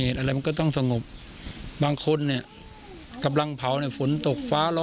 อะไรมันก็ต้องสงบบางคนเนี่ยกำลังเผาเนี่ยฝนตกฟ้าล้อ